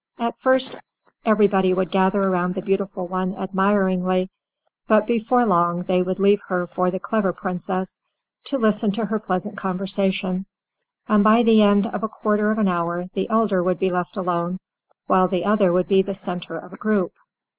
At first, everybody would gather around the beautiful one admiringly, but before long they would leave her for the clever Princess, to listen to her pleasant conversation; and by the end of a quarter of an hour the elder would be left alone, while the other would be the centre of a group.